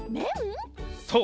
そう！